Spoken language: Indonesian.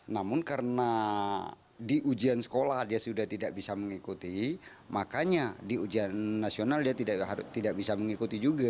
namun karena di ujian sekolah dia sudah tidak bisa mengikuti makanya di ujian nasional dia tidak bisa mengikuti juga